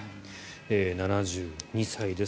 ７２歳です。